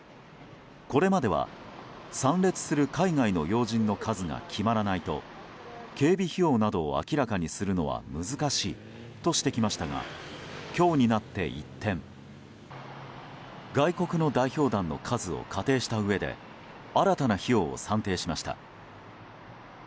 これまでは、参列する海外の要人の数が決まらないと警備費用などを明らかにするのは難しいとしてきましたが今日になって一転外国の代表団の数を仮定したうえで新たな費用を算定しました。